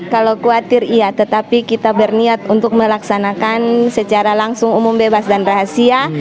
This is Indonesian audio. kalau khawatir iya tetapi kita berniat untuk melaksanakan secara langsung umum bebas dan rahasia